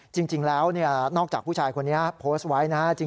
จริงแล้วนอกจากผู้ชายคนนี้โพสต์ไว้นะฮะ